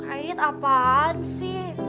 kak iit apaan sih